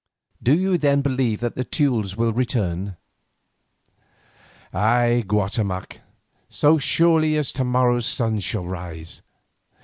Do you then believe that the Teules will return?" "Ay, Guatemoc, so surely as to morrow's sun shall rise.